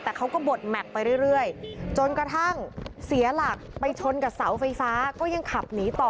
แต่เขาก็บดแม็กซ์ไปเรื่อยจนกระทั่งเสียหลักไปชนกับเสาไฟฟ้าก็ยังขับหนีต่อ